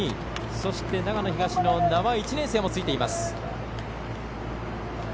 そして、長野東の名和１年生もついています。